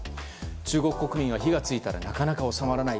中国国民は火が付いたらなかなか収まらない。